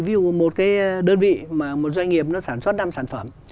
ví dụ một đơn vị một doanh nghiệp sản xuất năm sản phẩm